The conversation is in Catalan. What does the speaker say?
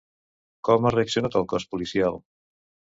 Com ha reaccionat el cos policial?